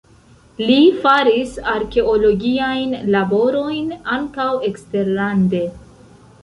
Li faris arkeologiajn laborojn ankaŭ eksterlande.